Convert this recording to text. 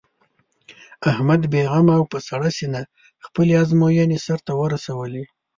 احمد بې غمه او په سړه سینه خپلې ازموینې سر ته ورسولې.